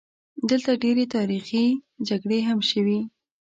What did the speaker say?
دلته ډېرې تاریخي جګړې هم شوي.